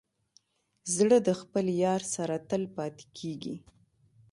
زړه د خپل یار سره تل پاتې کېږي.